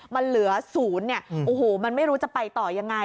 มันเหลือ๐เนี่ยโอ้โหมันไม่รู้จะไปต่อยังไง